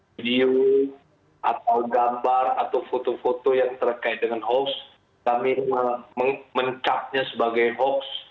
video atau gambar atau foto foto yang terkait dengan hoax kami mencapnya sebagai hoax